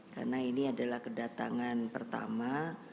karena ini adalah kedatangan pertama